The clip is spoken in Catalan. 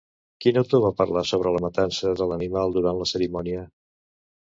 Quin autor va parlar sobre la matança de l'animal durant la cerimònia?